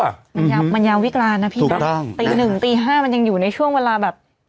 มันยาวมันยามวิการนะพี่นะตีหนึ่งตีห้ามันยังอยู่ในช่วงเวลาแบบ